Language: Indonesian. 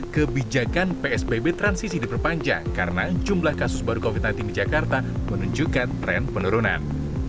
kebijakan psbb transisi diperpanjang karena jumlah kasus baru covid sembilan belas di jakarta menunjukkan tren penurunan